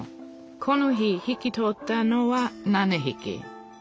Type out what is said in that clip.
この日引き取ったのは７ひき